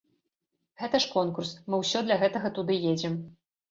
Гэта ж конкурс, мы ўсё для гэтага туды едзем.